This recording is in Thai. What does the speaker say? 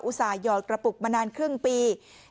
ส่าหยอดกระปุกมานานครึ่งปี